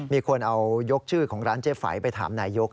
มีคนเอายกชื่อของร้านเจ๊ไฝไปถามนายก